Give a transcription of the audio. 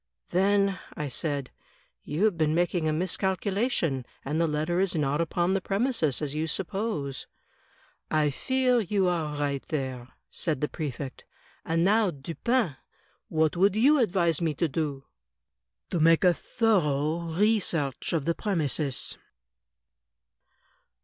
"Then," I said, "you have been making a miscalculation, and the letter is not upon the premises, as you suppose." " I fear you are right there," said the Prefect. "And now, Dupin, what would you advise me to do?" "To make a thorough re search of the premises."